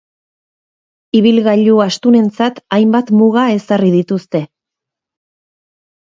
Ibilgailu astunentzat hainbat muga ezarri dituzte.